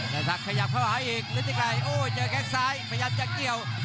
แต่ศักดิ์ขยับเข้าหาอีกฤติไกรโอ้เจอแค่งซ้ายพยายามจะเกี่ยว